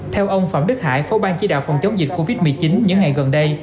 theo ông phạm đức hải phó bang chỉ đạo phòng chống dịch covid một mươi chín những ngày gần đây